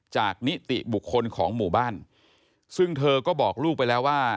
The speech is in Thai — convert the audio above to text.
นิติบุคคลของหมู่บ้านซึ่งเธอก็บอกลูกไปแล้วว่า